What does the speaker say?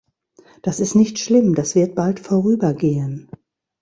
Das ist nicht schlimm, das wird bald vorübergehen.